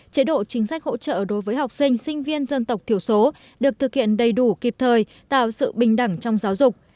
chế độ chính sách hỗ trợ đối với học sinh sinh viên dân tộc thiểu số được thực hiện đầy đủ kịp thời tạo sự bình đẳng trong giáo dục